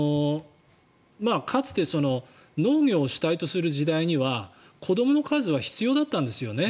かつて農業を主体とする時代には子どもの数は必要だったんですよね。